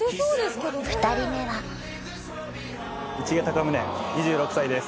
２人目は市毛孝宗２６歳です